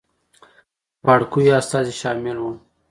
د پاړکیو استازي شامل وو.